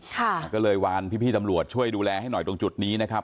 ก็เลยวานพี่พี่ตำรวจช่วยดูแลให้หน่อยตรงจุดนี้นะครับ